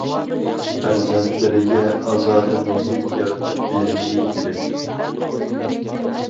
پەرزەنتلىرىگە ئازادە مۇھىت يارىتىپ بېرىشى كېرەك.